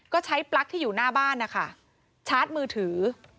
ก็ใช้ปลั๊กที่อยู่หน้าบ้านนะคะชาร์จมือถือ